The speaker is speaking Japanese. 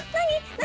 何！？